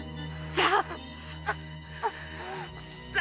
さあ！